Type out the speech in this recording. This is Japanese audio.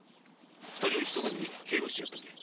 ２人をひそかに警護してやってくれ！